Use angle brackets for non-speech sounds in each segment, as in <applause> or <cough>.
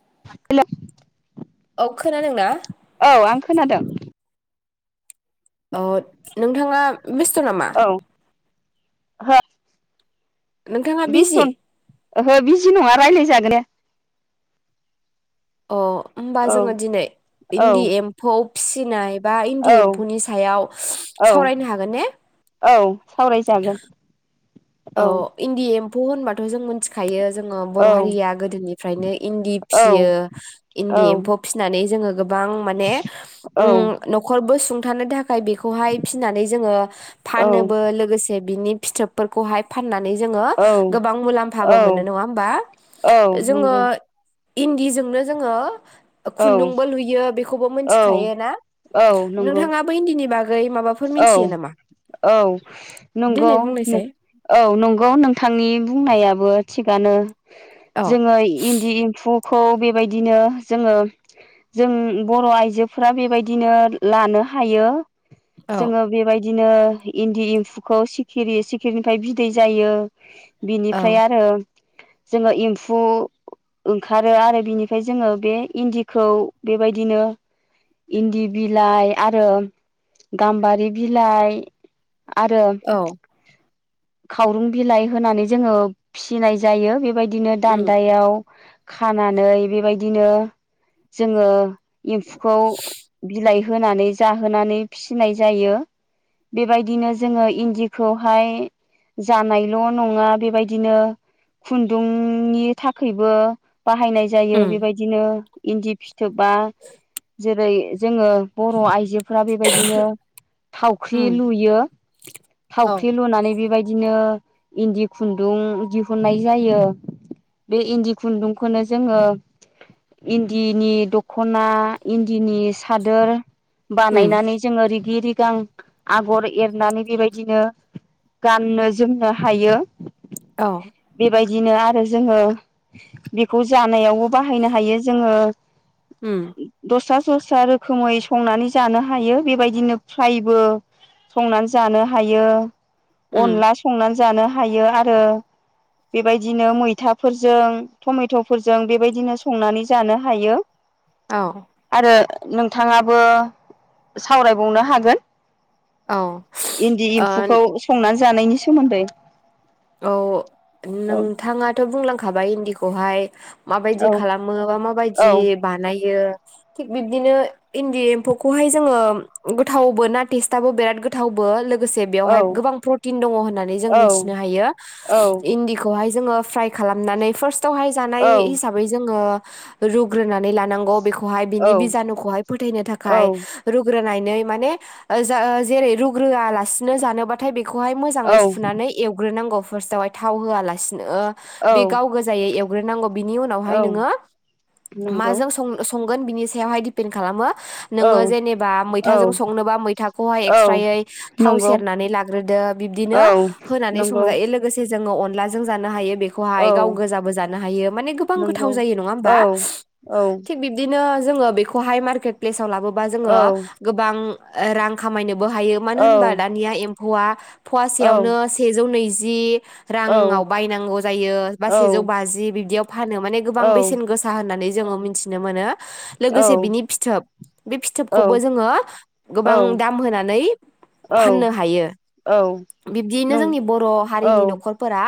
<unintelligible> औ खोनादों ना? औ आं खोनादों अ नोंथाङा बेसथ' नामा? औ हो नोंथाङा बिजि? बेस्थन ओहो बिजि नङा रायलायजायो । अ। होमबा औ जोङो दिनै औ इन्दि एम्फौ फिसिनाय बा इन्दि औ एम्फौनि सायाव औ सावरायनो हागोन ने? औ सावरायजागोन अ औ इन्दि एम फौ होनबाथ' जों मोनथिखायो। जोङो औ बर' हारिया गोदोनिफ्रायनो इन्दि औ फियो इन्दि औ एम्फौ फिनानै जोङो बां माने ओं औ न'खरबो खुंथानो था खाय बेखौहाय फिनानै जोङो फानोबो लोगोसे बिनि फिथोबफोर खौहाय फाननानै जोङो औ गोबां मुलाम्फाबो औ मोनो नङा होमबा? औ जोङो नंगौ इन्दि जोंनो जोङो औ खुन्दुंबो लुयो बे खौबो औ मोनथिखायो ना औ नंगौ नोंथाङाबो इन्दिनि बा औ औ नंगौ। देनाय बुंनायसाय औ नंगौ नोंथांनि बुंनायाबो थिगानो औ जोङो इन्दि एम्फौ खौ बेबायदिनो जोङो जों बर' आइजोफ्रा बेबायदिनो लानो हायो औ जोङो बेबायदिनो इन्दि एम्फौखौ सिखिरि सिखिरिनिफ्राय बिदै जायो बिनिफ्राय औ आरो जोङो एम्फौ ओंखारो आरो बिनिफ्राय जोङो बे इन्दिखौ बेबायदिनो इन्दि बिलाइ आरो गाम्बारि बिलाइ आरो औ खावरुं बिलाइ होनानै जोङो फिनाय जायो बेबायदि बिदिनो उम दान्दायाव खानानै बेबायदिनो जोंङो एम्फौखौ बिलाइ होनानै जाहोनानै फिसिनाय जायो बेबायदिनो जोंङो इन्दिखौहाय जानायल नङा बेबायदिनो खुन्दुंनि थाखायबो बाहायनाय जायो उम बेबायदिनो इन्दि फिथोबा जेरै जोंङो बर' आइजो बिफोरा बेबायदिनो थावख्रि उम लुयो औ थावख्रि लुनानै बे बेबायदिनो इन्दि खुन्दुं दिहुननाय जायो बे इन्दि खुन्दुंखौनो जोङो इन्दिनि दखना इन्दिनि सादोर उम बानायनानै जोंङो रि रिगां आगर एरनानै बेबायदिनो गाननो जोमनो हायो । औ । बिदिनो आरो जोंङो बेखौ जानायावबो बाहायनो हायो जोंङो उम्म। दस्रा सस्रा रोखोमै संनानै जानो हायो बेबायदिनो फ्रायबो संनानै जानो हायो । उम अनला संनानै जानो हायो आरो बेबायदिनो मैथाफोरजों टमेटफोरजों बेबायदिनो संनानै जानो हायो । औ । नोंथाङाबो सावरायबावनो हागोन औ । इन्दि ओ एम्फौखौ संना जानायनि सोमोन्दै औ औ नोंथाङाथ बुंलां खाबाय इन्दिखौहाय माबायदि औ खालामो बा औ माबायदि बानायो थिग बिब्दिनो इन्दि एम्फौखौहाय जोंङो गोथावबो ना टिस्टाबो बिराद गोथावबो लोग गोसे औ बेवहाय गोबां प्रटिन दङ होननानै जों मिथि यो औ इन्दिखौ बेवहाय जोंङो फ्राइ खालामनानै फार्स्ट आवहाय जानाय औ हिसाबै जोंङो रुग्रोनानै लानांगौ बेखौ बिनि औ बिजानुखौहाय फोथैनो औ थाखाय रुग्रोनाय नै माने रुग्रोआलासिनो जानोबाथाय बे बेखौहाय मोजाङै औ सुनानै हग्रोनांग फार्स्टआवहाय थाव होआलासे बे औ गाव गोजायै ग्रोनांगौ बेनि उनावहाय औ नोङो नंगौ माजों संनो? संगोन बिनि सायावहाय दिपेन्ड खालामो नोङो औ जेनेबा मैथाजों औ संनोबा मैथाखौहाय औ एक्सट्रायै थाव नंगौ सेरनानै लाग्रोदो बिब्दिनो औ नंगौ संजायो लोगोसे जोङो अनलाजों जानो हायो बेखौहाय औ गाव गोजाबो जानो हायो मानो गोबां नंगौ गोथाव जायो नङा औ होनबा औ थिग बिदिनो जोङो बेखौहाय मारकेट प्लेसाव लाबो बा औ जोङो गोबां रां खामायनो बो हायो मानो औ होनबा दानिया एम वा औ फवासेयावनो सेजौ नैजि औ राङाव बायनांगौ जायो बा सेजौ बाजि बिब्दियाव फानो माने गोबां औ बेसेन गोसा होननानै जोङो मिथिनो मोनो। औ लोगोसे बिनि फिथोब बे फिथोबखौबो जोङो गोबां दाम होनानै फाननो हायो बिब्दियैनो नों जोंनि बर' औ हारिनि न'खरफोरा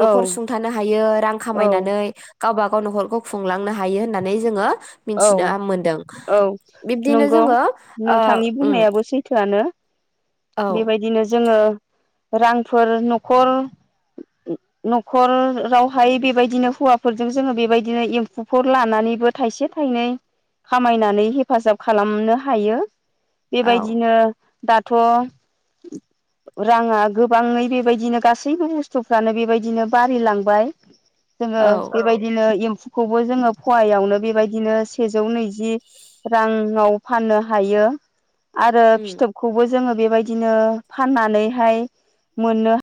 न'खर सुंथानो हायो रां औ खामायनानै गावबाागाव न'खरखौ खुंलांनो हायो होननानै जोङो औ मिथिनो मोनदों औ बिब्दिनो नंगौ जोङो ओ नोंथांनि उम बुंनायाबो सैथोआनो औ बेबायदिनो जोङो रांफोर न'खर न'खरावहाय बेबायदिनो हौवाफोरजों जोङो बेबायदिनो एम्फौफोर लानानैबो थाइसे थाइनै खामायनानै हेफाजाब खालामनो हायो औ बेबायदिनो दाथ राङा गोबाङै बेबायदिनो गासैबो बुस्थुफ्रानो बेबायदिनो बारिलांबाय जोङो औ बेबायदिनो एम फौखौबो जोङो फवायावनो बेबायदि बिदिनो सेजौ नैजि राङाव फाननो हायो आरो उम फिथोबखौबो जोङो बेबायदिनो फाननानैहाय मोननो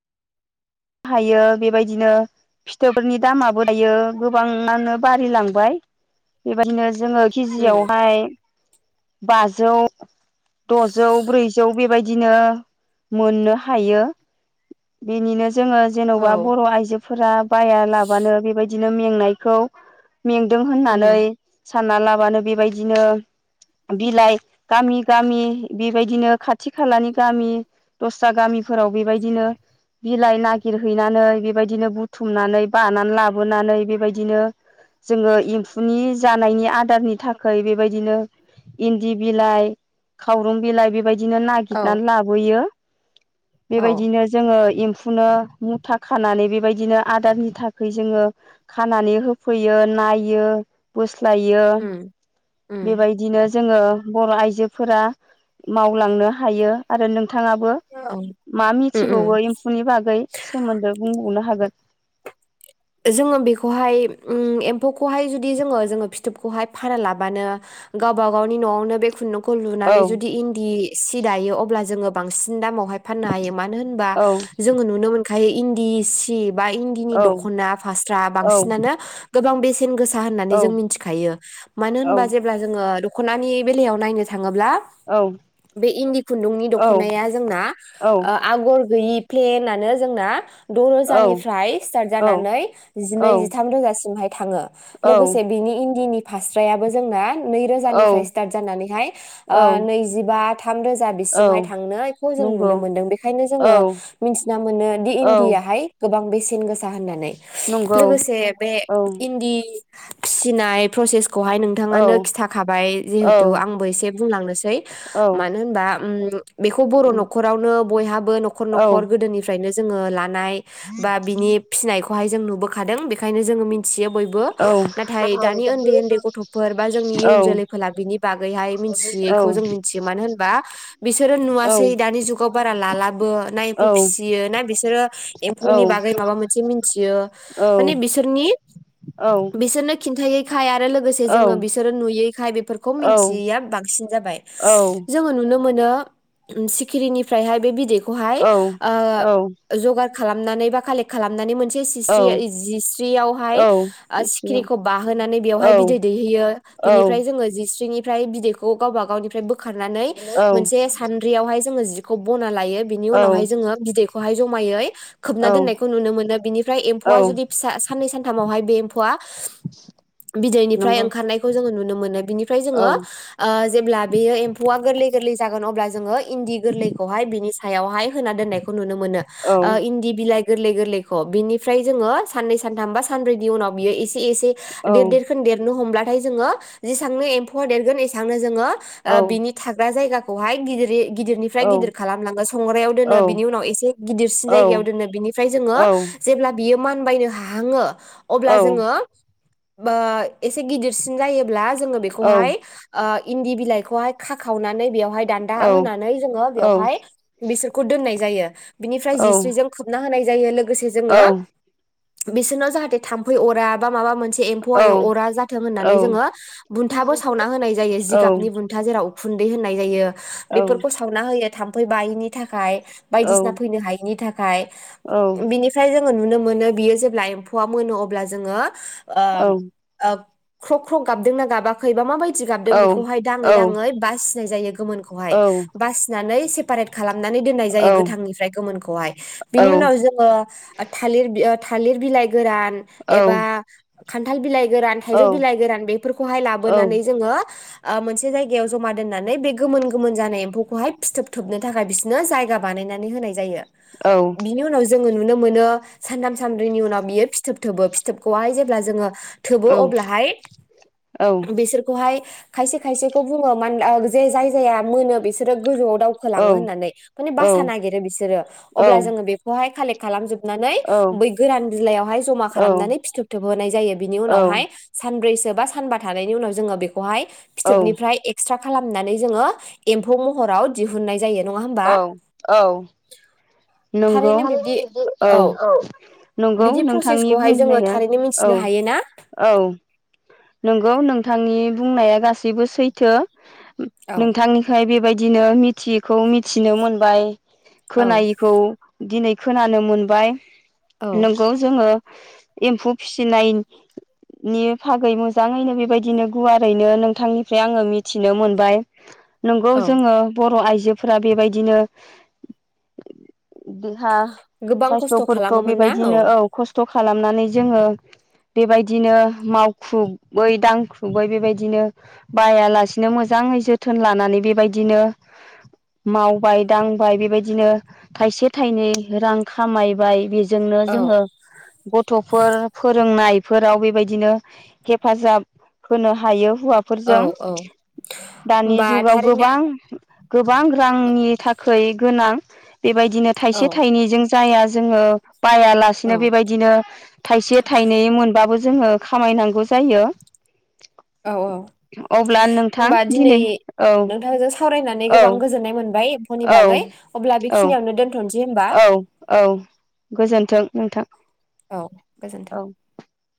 हायो बेबायदिनो फिथोबफोरनि दामाबो दायो गोबाङानो बारिलांबाय बेबायदिनो जोङो उम केजियावहाय बाजौ, दजौ, ब्रैजौ बेबायदिनो मोननो हायो। बेनिनो जोङो जेनबा औ बर' आइजो फोरा बाया लाबानो बेबायदि बिदिनो मेंनायखौ मेंदों उम होननानै सानना लाबानो बेबायदिनो बिलाइ गामि गामि बेबायदिनो खाथि खालानि गामि दस्रा गामि फोराव बेबायदिनो बिलाइ नागिर हैनानै बेबायदिनो बुथुमनानै बानानै लाबोनानै बेबायदिनो जोङो एमफुनि जानायनि आदारनि थाखै बेबायदिनो इन्दि बिलाइ, खावरुम बिलाइ बेबाय दिनो औ नागिरनानै लाबोयो। लांदां औ बेबायदिनो जोङो इम फुनो मुथा खानानै बेबायदिनो आदारनि थाखाय जोङो खानानै होफैयो नायो बो स्लायो उम उम बेबायदिनो जोङो बर' आइजोफोरा मावलांनो हायो आरो नों थाङाबो औ उम मा उम मिथिबावो इम फुनि बागै सोमोन्दो बुंबावनो हागोन। जोङो बेखौहाय उम एम्फौखौहाय जुदि जोङो जोङो फिथोबखौहाय फाना लाबानो गावबा गावनि नआवनो बे खुन्दुं खौ औ लुनानै जुदि इन्दि सि दायो अब्ला जोङो बांसिन दामाव हाय फाननो हायो। मानो होनबा औ जोङो नुनो मोनो खाय इन्दि सि बा इंदिनि औ द ख'ना, फास्रा औ बांसिनानो गोबां बे सेन गोसा होननानै औ जों मिथिखायो। मानो औ होनबा जेब्ला जोङो दख'नानि बेलायाव नायनो था ङोब्ला औ बे इन्दि खुन्दुंनि औ दख'नाया जोंना औ आगर गैयि प्लेनानो जोंना द' रोजानिफ्राय स्टारट जानानै जिनै, जिथाम रोजासिम हाइ थाङो। लोगोसे बिनि इन्दिनि फास्रायाबो जोंना औ नैरोजानिफ्राय स्टार्ट जानानैहाय औ ओ नैजिबा थाम रोजा औ बिसिमहाय थांनायखौ जों नंगौ नुनो मोनदों बेखायनो औ जोङो मिथिना मोनो दि औ इन्डियाहाय गोबां बेसेन गोसा होननानै। नंगौ लोगोसे बे औ इन्दि फिसिनाय प्र'सेस खौहाय औ नोंथाङानो खिथाखाबाय औ जिहेथु आंबो एसे बुंलांनोसै। औ मानो होनबा उम बेखौ बर' न'खरावनो बयहाब बो न'खर औ न'खर गोदोनिफ्रायनो जोङो ला नाय बा बिनि फिसिनायखौहाय जों नुबोखादों बेखायनो जोङो मिथियो बयबो। नाथाय दानि उन्दै उन्दै गथ'फोर बा जोंनि इयुन जोलैफोला बिनि बागैहाय मिथियैखौ जों मिथियो मानो होनबा बिसोरो नुवासै दानि जुगाव बारा लालाबो ना एम्फौ फिसियो ना बिसोरो एम्फुनि बागै माबा मोन मिनथियो माने बिसोरनि बिसोरनो खिन्थायो खाया लोगोसे जोङो बिसोरो नुयैखाय बेफोरखौ औ मिनथियैया बांसिन जाबाय। औ जोङो नुनो मो मोनो सिख्रिरिनिफ्रायहाय बे बिदै खौहाय औ ओ औ ज'गार खालामनानै बा कालेक्ट खालामनानै मोन से सिस्रि औ जिस्रिआवहाय औ ओ बे सिगां सिखिरिखौ बाहोनानै औ बेयावहाय बिदै दैहोयो औ बिनिफ्राय जोङो जिस्रिनि ओमफ्राय बिदैखौ गावबा गावनिफ्राय बो खारनानै औ मोनसे सान्द्रिआवहाय जोंङो जि खौ बन ना लायो बिनि औ उनावहाय जोङो बिदैखौहाय ज'मायै औ खोबना दोननायखौ खौ नुनो मोनो। बिनिफ्राय एम्फौआ औ जुदि फिसा साननै सानथामआवहाय बे एम्फौआ बिदैनिफ्राय नंगौ ओंखारनायखौ जोङो नुनो मोनो। बिनिफ्राय जोङो औ ओ जेब्ला बेयो एम्फौ फौवा गोरलै गोरलै जागोन अब्ला जोङो इन्दि गोरलैखौहाय बिनि सायावहाय होना दोननायखौ नुनो मोनो। ओ औ इन्दि बिलाइ गोरलै गोरलैखौ बिनिफ्राय जोङो साननै सानथाम बा सानब्रैनि उनाव बियो एसे एसे औ देर देरखोन देरनो हमब्ला फाय जोङो जेसांनो एम्फौआ देरगोन एसांनो जोङो ओ औ बिनि थाग्रा जायगा खौहाय गिदिरि गिदिरनिफ्राय औ गिदिर खालामलाङो संग्रायाव औ दोनो औ बिनि उनाव एसे गिदिरसिन औ जायगायाव दोनो बिनि जोङो औ जेब्ला बियो मानबायनो हाहाङो औ औ अब्ला जोङो बा एसे गिदिरसिन जायोब्ला जोङो बेखौहाय औ ओ इन्दि बिलाइखौहाय खाखावनानै बेवहाय दान्दा होनानै जोङो बेयावहाय बिसोरखौ दोन्नाय जायो बिनिफ्राय जिस्रिजों खोबना होनाय जायो लो गोसे जोङो बिसोरनाव जाहाथे थाम्फै अरा बा माबा मोनसे से एम्फौ अरा जाथों होन्नानै जोङो बुन्थाबो सावना होनाय जायो जिगाबनि बुन्था जेराव उखुन दै होन्नाय जायो बेफोरखौ सावना होयो थाम्फै बायैनि थाखाय बायदिसिना फैनो हायैनि था खाय बिनिफाय जो ङो नुनो मोनो बियो जेब्ला एम्फौआ मोनो अब्ला जोङो ओम ओब ख्र' ख्र' गाबदोंना गाबाखैबा माबाय दि गाबदों बेखौहाय दाङै दाङै बास जायो गोमोनखौहाय बासिनानै सेपारेट खालामनानै दोननाय जायो गोथांनिफ्राय गोमोनखौहाय बिनि उनाव जों ओ थालिर थालिर बिलाइ गोरान एबा खान्थाल बिलाइ गोरान थाइजौ बिलाइ गोरान बेफोरखौहाय लाबोनानै जोङो ओ मोनसे जायगायाव जमा दोननानै बे गोमोन गोमोन जानाय एम्फौखौहाय फिथोब थोबनो थाखाय बिसोरनो जायगा बानायनानै होनाय जायो औ ङो नुनो मोनो सानथाम सानब्रैनि उनाव बियो फिथोब थोबो फिथोबखौहाय जेब्ला जोङो थोबो अब्लाहाय बिसोरखौहाय खायसे खायसेखौ बुङो <unintelligible> जे जाय जाया मोनो बिसोरो गोजौआव दावखोलाङो होननानै माने बासा नागिरो बिसोरो अब्ला जोङो बे खौहाय कालेक खालामजोब नानै बै औ गोरान बिलाइयावहाय जमा औ खालामनानै फिथोब थोबहोनाय जायो बिनि उनावहाय औ सानब्रै सो बा सानबा थानायनि उनाव जोङो बे खौहाय औ फिथोबनिफ्राय एक्सथ्रा खालामनानै जोङो एम्फौ महराव दिहुननाय जायो नङा होमबा औ औ नंगौ थारैनो बिब्दि औ नंगौ बिदि नोंथांनि प्रसेसखौहाय जोङो बुंनाया थारैनो औ मिथिनो हायो ना औ नंगौ नोंथांनि बुंनाया गासैबो सैथो औ नोंथांनिफ्राय बेबाय दिनो मिथियैखौ मिथिनो मोनबाय औ खोनायैखौ दिनै खोनानो मोनबाय नंगौ जोङो एम्फौ फिसिनायनि बागै मोजाङैनो बेबायदिनो गुवारैनो नोंथांनिफ्राय आङो मिथिनो मोनबाय नंगौ औ जोङो बर आइजो फोरा बेबायदिनो देहा गोबां खस्थ' साइस्थफोरखौ खालामोमोन ना बेबायदिनो औ खस्थ खालामनानै जोङो बेबायदिनो मावख्रुबै दांख्रुबै बेबायदिनो बायालासिनो मोजाङै जोथोन लानानै बेबायदिनो मावबाय दांबाय बेबायदिनो थाइसे थाइनै रां खामायबाय बे जोंनो औ जोङो गथफोर फोरोंनायफोराव बेबायदिनो हेफाजाब होनो हायो औ हौवाफोरजों औ दानि होमबा जुगाव थारैनो गोबां गोबां रांनि थाखै गोनां बेबायदिनो औ थाइसे थाइनैजों जाया। जोङो। औ बायालासिनो बेबायदिनो थाइसे थाइनै मोनबाबो जोङो। खामायनांगौ जायो। औ अब्ला नोंथां दिनै औ। नोंथांजों सावरायनानै औ गोबां गोजोन्नाय मोनबाय एम्फौनि औ बागै अब्ला औ बेखिनियावनो दोन्थ'नोसै। औ औ गोजोनथों। नोंथां। औ। गोजोन्थों। औ